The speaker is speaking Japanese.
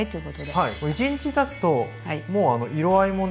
はい１日たつともうあの色合いもね